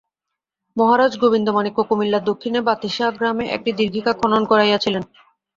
মহারাজ গোবিন্দমাণিক্য কুমিল্লার দক্ষিণে বাতিসা গ্রামে একটি দীর্ঘিকা খনন করাইয়াছিলেন।